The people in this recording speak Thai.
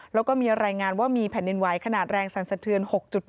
แล้วก็มีรายงานว่ามีแผ่นดินไหวขนาดแรงสั่นสะเทือน๖๑